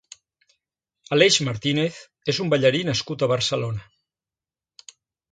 Aleix Martínez és un ballarí nascut a Barcelona.